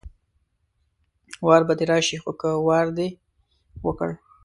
وار به دې راشي خو که وار دې وکړ